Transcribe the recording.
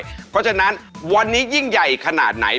เพราะฉะนั้นวันนี้ยิ่งใหญ่ขนาดไหน